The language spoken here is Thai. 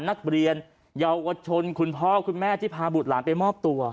นักเรียนเยาวชนคุณพ่อคุณแม่ที่พาบุตรหลานไปมอบตัว